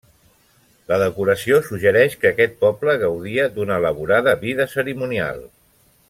La decoració suggereix que aquest poble gaudia d'una elaborada vida cerimonial.